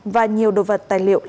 và nhiều đồ vật tài liệu liên quan khác